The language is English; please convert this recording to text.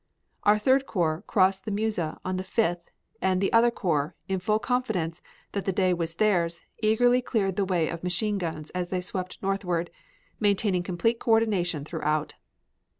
Our Third Corps crossed the Meuse on the 5th and the other corps, in the full confidence that the day was theirs, eagerly cleared the way of machine guns as they swept northward, maintaining complete coordination throughout.